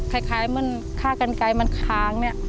คล้ายเหมือนฆ่ากันไกลมันค้างเนี่ย